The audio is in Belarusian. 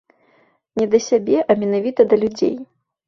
Не да сябе, а менавіта да людзей.